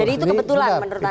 jadi itu kebetulan menurut anda